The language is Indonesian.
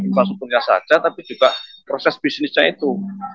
infrastrukturnya saja tapi juga proses bisnisnya itu